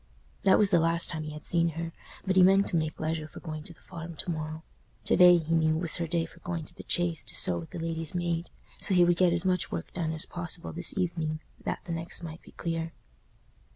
That was the last time he had seen her; but he meant to make leisure for going to the Farm to morrow. To day, he knew, was her day for going to the Chase to sew with the lady's maid, so he would get as much work done as possible this evening, that the next might be clear.